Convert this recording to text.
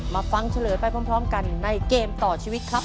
มาฟังเฉลยไปพร้อมกันในเกมต่อชีวิตครับ